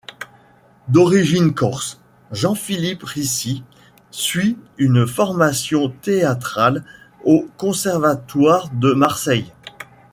D'origine corse, Jean-Philippe Ricci suit une formation théâtrale au conservatoire de Marseille.